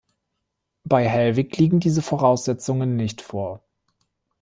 Bei Helwig liegen diese Voraussetzungen nicht vor.